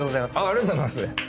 ありがとうございます。